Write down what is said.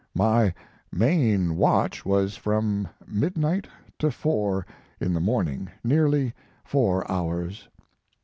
My main watch was from midnight to four in the morning, nearly four hours.